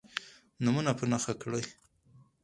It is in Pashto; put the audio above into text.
نومونه په نښه کړئ.